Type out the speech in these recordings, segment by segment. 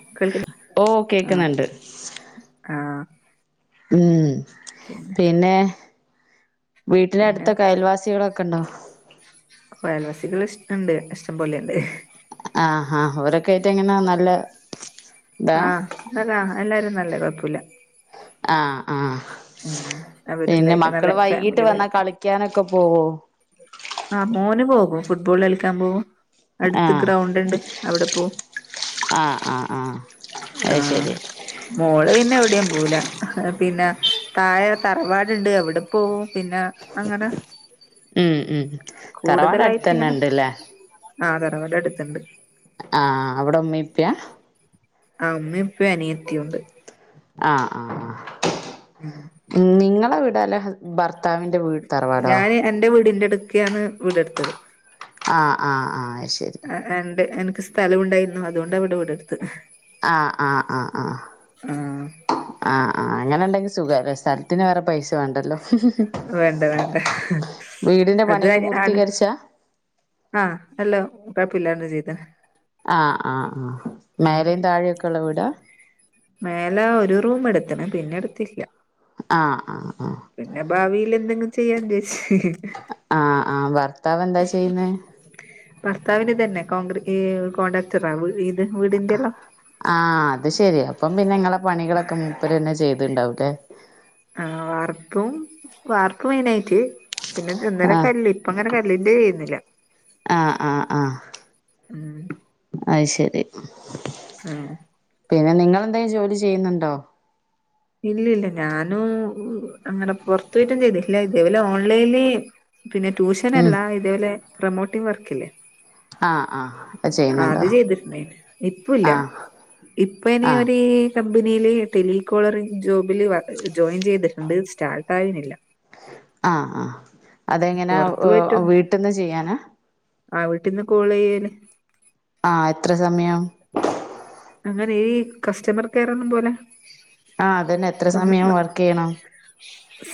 ഏ കേൾക്ക ഹ് ഓ ആഹ് കേക്കുന്നണ്ട് ആഹ് ഉം പിന്നെ വീട്ടിന്റെ പിന്നെ അടുത്തൊക്കെ അയൽവാസികളൊക്കെ ഉണ്ടോ അയൽവാസികൾ ഇഷ്ടണ്ട് ഇഷ്ടംപോലെയുണ്ട് ആഹ് ഹ അവരൊക്കെ ആയിട്ട് എങ്ങന നന്ന ആഹ് നല്ലതാ എല്ലാരും നല്ല കൊഴ്പ്പുല്ല ആഹ് ആഹ് പിന്നെ അവരെല്ലായിട്ട് നല്ല മക്കള് വൈകീട്ട് ഫാമിലി പോലെ വന്നാ കളിക്കാനൊക്കെ പോവോ ആഹ് മോന് പോകും ഫുട്ബോൾ കളിക്കാൻ പോകും അടുത്ത് ആഹ് ഗ്രൗണ്ട് ഉണ്ട് അവിടെ പോവും ആഹ് ആഹ് ആഹ് ആഹ് അയ്ശരി മോള് പിന്നെ എവിടേം പോവുല പിന്നെ താഴെ തറവാടുണ്ട് അവിടെ പോവും പിന്നെ അങ്ങനെ ഉം ഉം തറവാട് അടുത്ത് കൂടുതലായിട്ട് തന്നെ ഇങ്ങനെ ഉണ്ട് ല്ലേ ആഹ് തറവാട് എടുത്ത്ണ്ട് ആഹ് അവടെ ഉമ്മിം ഇപ്പ്യ ആഹ് ഉമ്മേം ഇപ്പേം അനിയത്തിയുണ്ട് ആഹ് ആഹ് ഉം ഉം നിങ്ങളെ വീടല്ലേ ഭർത്താവിന്റെ വീട് തറവാടോ ഞാന് എന്റെ വീടിന്റെ അടുക്കയാണ് വീടെടുത്തത് ആഹ് ആഹ് ആഹ് അയ്ശരി ഇണ്ട് എനിക്ക് സ്ഥലം ഉണ്ടായിരുന്നു അതുകൊണ്ട് അവിടെ വീട് എടുത്ത് ആഹ് ആഹ് ആഹ് ആഹ് ആഹ് ആഹ് ആഹ് അങ്ങനെ ഉണ്ടെങ്കിൽ സുഖല്ലേ സ്ഥലത്തിന് വേറെ പൈസ വേണ്ടല്ലോ വേണ്ട വേണ്ട വീടിന്റെ അത് പണിയൊക്കെ ആണ് പൂർത്തീകരിച്ചാ ആഹ് ഹലോ കുഴപ്പോല്ലാതെ ചെയ്തേ ആഹ് ആഹ് ആഹ് മേലിം താഴെയൊക്കെ ഉള്ള വിടാ മേലെ ഒരു റൂം എടുത്ത്ണ് പിന്നെ എടുത്തില്ല ആഹ് ആഹ് ആഹ് പിന്നെ ഭാവിയിൽ എന്തെങ്കിലും ചെയ്യാന്നെച്ച് ആഹ് ആഹ് ഭർത്താവ് എന്താ ചെയ്യുന്നെ ഭർത്താവിന് ഇതന്നെ കോൺഡ്ര ഈ കോൺട്രക്ടറ് ഇത് വീടിന്റെല്ല ആഹ് അത് ശരി അപ്പം പിന്നെ നിങ്ങളെ പണികളൊക്കെ മുപ്പര് തന്നെ ചെയ്തിണ്ടാവുല്ലേ ആഹ് വാർപ്പും വാർപ്പ് മെയിൻ ആയിട്ട് പിന്നെ ഇന്നലെ ആഹ് കല്ല് ഇപ്പം അങ്ങനെ കല്ലിന്റെ ചെയ്യുന്നില്ല ആഹ് ആഹ് ആഹ് ഉം അയ്ശരി ഉം പിന്ന നിങ്ങെളെന്തേയും ജോലി ചെയ്യുന്നുണ്ടോ? ഇല്ല ഇല്ല ഞാനും അങ്ങനെ പൊറത്തു പോയിട്ടൊന്നും ചെയ്തിട്ടില്ല ഇതേപോലെ ഓൺലൈല് പിന്നെ ഉം ട്യൂഷനല്ല ഇതേപോലെ പ്രമോട്ടിങ് വർക്കില്ലേ ആഹ് ആഹ് ആഹ് ചെയ്യുന്നുണ്ടോ അത് ചെയ്തിട്ടുണ്ടാര്ന്ന് ഇപ്പല്ല ആഹ് ഇപ്പനി ആഹ് ഒരീ. കമ്പനിയില് ടെലികോളറിങ് ജോബില് വർ ജോയിൻ ചെയ്തിട്ടുണ്ട് സ്റ്റാർട്ട് ആയിന്നില്ല. ആഹ് ആഹ് അതെങ്ങനാ പൊറത്ത് പോയിട്ട് വീട്ടിന്ന് ചെയ്യാനാ ആ വീട്ടിന്ന് കോൾ ചെയ്യ്‌ ആഹ് എത്ര സമയം അങ്ങനെ ഈ കസ്റ്റമർ കെയർ ഒന്നും പോലെ ആഹ് അതന്നെ എത്ര നമ്മ- സമയാ ന- വർക്കെയുണ്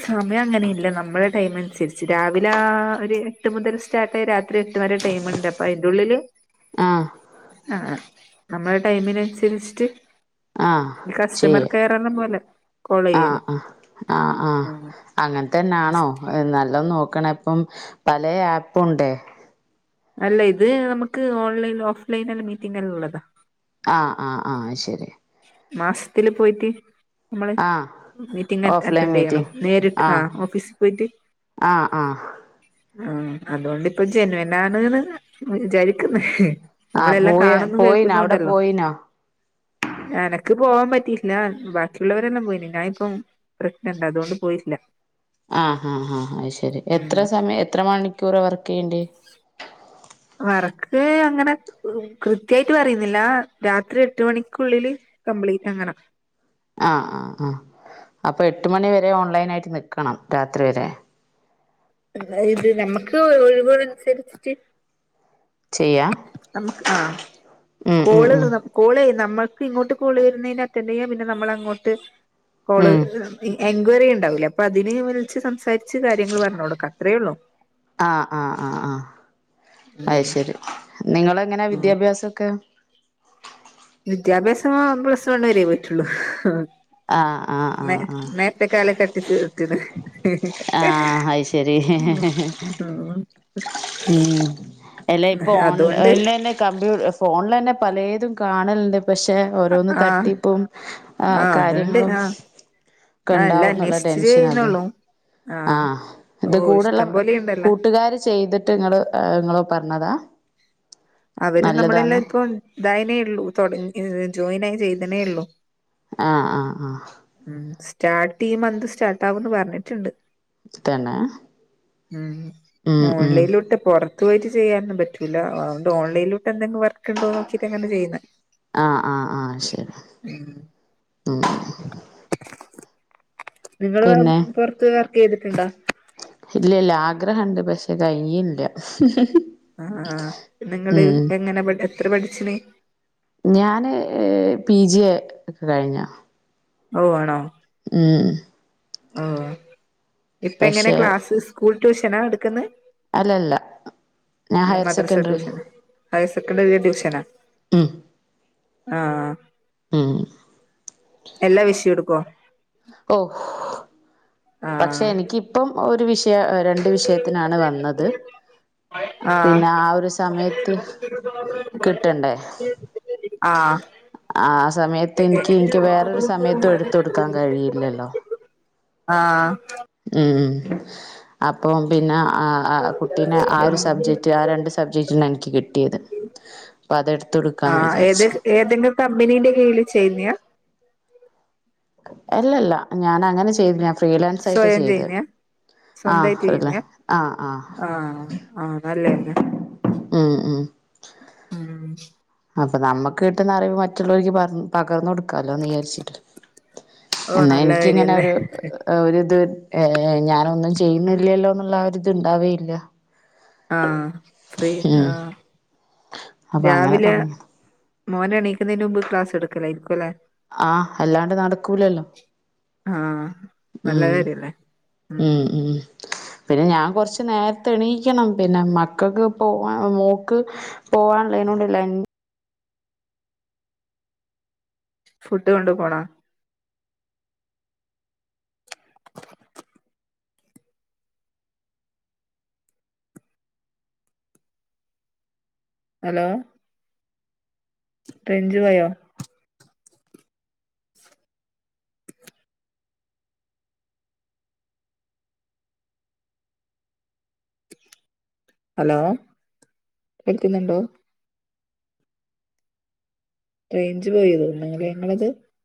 സമയം അങ്ങനെ ഇല്ല നമ്മളെ ടൈമ് അനുസരിച്ച് രാവിലെ ആ ഒര് എട്ട് മുതൽ സ്റ്റാർട്ടായി രാത്രി എട്ട് വരെ ടൈമുണ്ട് അപ്പോ അതിൻറെ ഉള്ളില് ആഹ് ആഹ് നമ്മളെ ടൈമിനനുസരിച്ചിട്ട് ആഹ് കസ്റ്റമർ ചെയ്യ കെറെന്ന പോലെ കോൾ ആഹ് ചെയ്യല് അഹ് ആഹ് ആഹ് അങ്ങനത്തന്നാണോ? നല്ലോം നോക്കണെ പ്പം പലേ ആപ്പും ണ്ടെ അല്ലയ് ഇത് നമക്ക് ഓൺലൈൻല് ഓഫ്‌ലൈനെല്ലാം മീറ്റിംങ്ങെല്ലാം ള്ളതാ ആഹ് ആഹ് ആഹ് ശരി മാസ്ത്തില് പോയിട്ട് നമ്മള് ആഹ് മീറ്റിംഗ് അറ്റ്‌ ഓഫ്‌ലൈൻ അറ്റൻഡ് ചെയ്യണം മീറ്റിംഗ് നേരിട്ട് ആ ആഹ് ഓഫീസ് പോയിട്ട് ആഹ് ആഹ്. ആഹ് അതോണ്ടിപ്പൊ ജെനുവ്നാണ്ന്ന് വിചാരിക്കുന്ന്. ആഹ് നമ്മളെല്ലാ പോയ കാണുന്നും പോയിനോ അവിടെ കേക്കുന്നുണ്ടല്ലോ. പോയിനോ അനക്ക് പോവാൻ പറ്റിയില്ല ബാക്കിയുള്ളവരെല്ലം പോയിന് ഞാ ഇപ്പം. പ്രഗ്നന്റാ അതുകൊണ്ട് പോയിട്ടില്ല. ആ ആ ആ അശെരി എത്ര ഉം സമയ് എത്ര മണിക്കൂറാ വർക്ക് യ്യേണ്ട്യേ വർക്ക് അങ്ങനെ കൃത്യായ്ട്ട് പറയുന്നില്ല രാത്രി എട്ട് മണിക്കുള്ളില്. കംപ്ലീറ്റ് അങ്ങനാ ആഹ് ആഹ് ആഹ് അപ്പൊ എട്ട് മണിവരെ ഓൺലൈനായിട്ട് നിക്കണം രാത്രി വരെ ഇത് നമ്മക്ക് ഒഴിവള് അനുസരിച്ചിട്ട് ചെയ്യാ നമ്മ്ക്ക് ആഹ് ഉം ഉം കോള് ഉം തീർന്നപ്പോ കോള് നമ്മൾക്ക് ഇങ്ങോട്ട് കോള് വരുന്നെന് അറ്റൻഡ് ചെയ്യാം പിന്നെ നമ്മൾ അങ്ങോട്ട് കോള് ഉം എൻക്വയറി ഉണ്ടാവൂല്ലേ അപ്പൊ അതിന് വിളിച്ച് സംസാരിച്ച് കാര്യങ്ങൾ പറഞ്ഞ് കൊടുക്ക അത്രേയുള്ളു. ആഹ് ആഹ് അഹ് ആഹ് അത് ഉം ശരി നിങ്ങള്ങ്ങനാ ഉം വിദ്യാഭ്യാസൊക്കെ? വിദ്യാഭ്യാസം ആഹ് പ്ലസ്സ് വണ്ണ് വരേ പോയിട്ടുള്ളൂ. ആഹ് ആഹ് ആഹ് മെ ആഹ് മെരത്തെക്കാലെ കെട്ടിച്ച് വിട്ടിയതെ ആഹ് ആഹ് അത് ശരി ഹെ ഹെ ഹെ ഉം എല ഇപ്പൊ അതുകൊണ്ട് ഓൺലൈ ലെ. കമ്പ്യൂ ഫോണിലന്നെ പലേതും കാണലുണ്ട് പക്ഷെ ഓരോന്ന് ആഹ് തട്ടിപ്പും ആ ആഹ് അതുണ്ട് കാര്യങ്ങളും ആഹ് ആഹ് ക്കണ്ടാവു എല്ലാം ന്നുള്ള അന്വേഷിച്ചിട്ട് ടെൻഷനതും. ചെയ്യുന്നുള്ളൂ ആഹ് ഇത് ഓഹ് കൂടള്ള ഇഷ്ടം പോലെ ഉണ്ടല്ലോ കൂട്ടുകാർ ചെയ്തിട്ട് നിങ്ങളെ നിങ്ങളെ പറഞ്ഞതാ അവര് നല്ലതാന്ന് നമ്മളെല്ലാം പ്പൊ ഇതായനേ ഉള്ളു തുടങ്ങി ജോയിൻ ആയി ചെയ്തനേ ഉള്ളു ആഹ് ആഹ് ആഹ്. ഉം സ്റ്റാർട്ട് ഈ മന്ത് സ്റ്റാർട്ടാകുന്ന് പറഞ്ഞിട്ടുണ്ട് തന്നെ മ് ഉം ഉം ഓൺലൈനിലുട്ട് പൊറ ക്ക്പോയിട്ട് ചെയ്യാനൊന്നും പറ്റൂല്ല അതുകൊണ്ട് ഓൺലൈനിലൂട്ടെന്തെങ്കു വർക്ക്ണ്ടോ നോക്കിട്ടങ്ങനെ ചെയ്യ്ന്നെ. ആഹ് ആഹ് ആഹ് ശരി ഉം നിങ്ങള് വേർ പിന്നെ പൊർത്ത് വർക്കെയ്തിട്ടുണ്ടോ? ഇല്ല ല്ല ആഗ്രഹണ്ട് പക്ഷെ കഴിയിഞ്ഞില്ല ആഹ് ആഹ് നിങ്ങള് എങ്ങനെ പട് എത്ര പഠിച്ചിന്? ഞാന് പി ജി എ കഴിഞ്ഞ. ഓഹ് ആണോ ഉം ആ ഇപ്പെങ്ങനെ പക്ഷെ ക്ലാസ് സ്കൂൾ ട്യൂഷനാ ട്ക്കുന്നേ അല്ലല്ല ഞാൻ ഹയർ മദർസ്സ സെക്കൻഡറി ട്യൂഷനാ ഹയർസെക്കണ്ടറി ഡിവിഷനാ. ഉം ആഹ് ആഹ് ഉം എല്ലാ വിഷയെടുകും ഓഹ് പക്ഷെ ആഹ് എനിക്കിപ്പം ഒരു വിഷയ രണ്ട് വിഷയത്തിനാണ് വന്നത്. പിന്നെ ആഹ് ആ ഒരു സമയത്ത് കിട്ടണ്ടേ [unintelligible] ആഹ്. ആ സമയത്ത് ഇ എനിക്ക് ഇ. എനിക്ക് വേറൊരു സമയത്തും എടുത്ത് കൊടുക്കാൻ കഴിയില്ലല്ലോ ആഹ് ഉം അപ്പം പിന്ന ആഹ് ആഹ് കുട്ടീന ആഹ് ഒരു സബ്ജെക്ട് ആ രണ്ട് സബ്ജെക്ടിനാന്ക്ക് കിട്ടിയത് അപ്പൊ അതെടുത്തു കൊടുക്കാന്ന് ആഹ് ഏത് വിചാരിച്ചു ഏതെങ്കിലും കമ്പനീന്റെ കീഴിൽ ചെയ്ന്നാ അല്ലല്ല ഞാൻ അങ്ങനെ ചെയ്ത് ഞാ ത്രീലെൻസായിട്ട് സ്വയം ചെയ്തെ ചെയ്യുന്നയാ ആ സ്വന്തായിട്ട് അതെന്നെ ചെയ്യുന്നയാ ആഹ് ആഹ് ആഹ് നല്ലെന്നെ ഉം ഉം. അപ്പ നമ്മക്ക് കിട്ടുന്ന അറിവ് മറ്റുള്ളവരിക്ക് പറഞ് പകർന്ന് കൊടുക്കാല്ലോന്ന് വിചാരിച്ചിട്ട് ഓ എന്നാ നല്ല എനിക്കിങ്ങനെ കാര്യല്ലേ ഒരു ആഹ് ഒരുത് ഏ ഞാനൊന്നും ചെയ്യുന്നില്ലല്ലോന്ന്ള്ള ആഹ്‌ഒര്ത് ഉണ്ടാവേയില്ല. ആഹ്‌ ഫ്രീ ഉം ആഹ്‌ അപ്പൊ അങ്ങനെ രാവിലെ തുടങ്ങി മോനെണീക്കുന്നതിന് മുൻപ് ക്ലാസ് ട്ക്കലായിരിക്കുല്ലേ ആഹ് എല്ലാണ്ട് നടക്കൂലല്ലോ ആഹ് ഉം നല്ലകാര്യല്ലേ? ഉം പിന്നെ ഞാൻ കൊറച്ച് നേര്ത്തെ എണീക്കണം പിന്നെ മക്കക്ക് പോവാ മോക്ക് പോവാന്ള്ളേനോടല്ലെ ൻ. ഫുഡ് കൊണ്ടു പോണം ഹലോ. റേഞ്ച് പോയോ? ഹലോ കേക്ക്ന്നുണ്ടോ? റേയിഞ്ച് പോയിതോ നിങ്ങളത്?